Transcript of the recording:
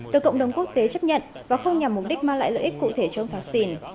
được cộng đồng quốc tế chấp nhận và không nhằm mục đích mang lại lợi ích cụ thể cho ông thạc xỉn